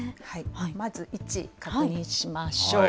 まず位置、確認しましょう。